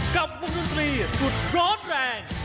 กับวงดนตรีสุดร้อนแรง